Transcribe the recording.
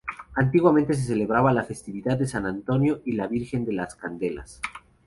Antiguamente se celebraba la festividad de San Antonio y la Virgen de las Candelas.